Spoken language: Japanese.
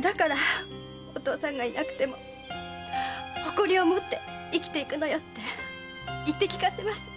だからお父さんがいなくても誇りを持って生きていくのよって言って聞かせます。